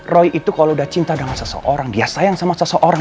roy itu kalau udah cinta dengan seseorang dia sayang sama seseorang